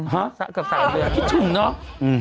ฮะคิดถึงเนอะ